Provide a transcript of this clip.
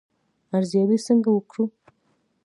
ارزیابي څنګه وکړو؟